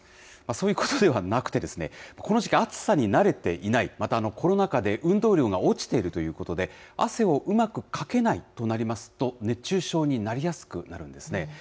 そういうことではなくて、この時期、暑さに慣れていない、また、コロナ禍で運動量が落ちているということで、汗をうまくかけないとなりますと、熱中症になりやすくなるんですね。